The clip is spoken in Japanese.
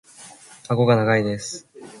顎が長いです。